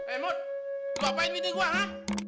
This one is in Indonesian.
eh mut lu ngapain widi gue